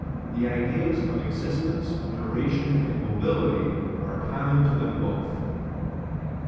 The ideas of EXISTENCE, DURATION, and MOBILITY, are common to them both.